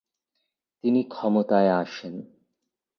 তিনি ক্ষমতায় আসেন।